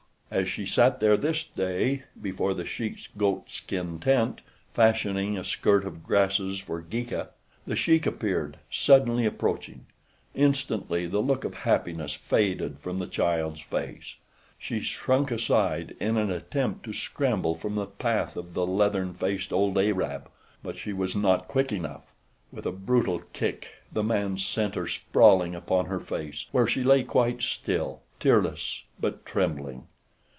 As she sat there this day before The Sheik's goatskin tent, fashioning a skirt of grasses for Geeka, The Sheik appeared suddenly approaching. Instantly the look of happiness faded from the child's face. She shrunk aside in an attempt to scramble from the path of the leathern faced old Arab; but she was not quick enough. With a brutal kick the man sent her sprawling upon her face, where she lay quite still, tearless but trembling.